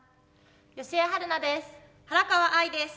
吉江晴菜です。